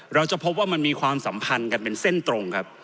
เราจะพบว่ามันมีความสัมพันธ์กันเป็นเส้นตรงครับ